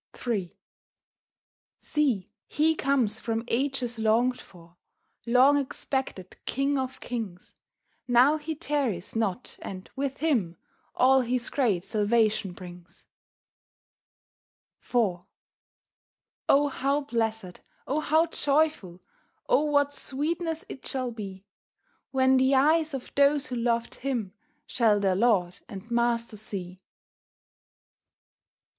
III See He comes whom ages longed for— Long expected King of kings— Now He tarries not, and with Him All His great salvation brings. IV O how blessed! O how joyful! O what sweetness it shall be! When the eyes of those who loved Him Shall their Lord and Master see.